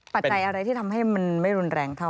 ปัจจัยอะไรที่ทำให้มันไม่รุนแรงเท่า